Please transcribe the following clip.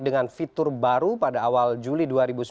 dengan fitur baru pada awal juli dua ribu sembilan belas